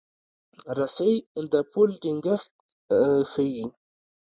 رسۍ د پل ټینګښت ښيي.